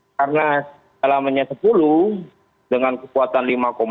karena dalamnya sepuluh dengan kekuatan lima enam